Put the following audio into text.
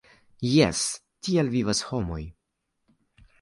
Jes, tiel vivas homoj.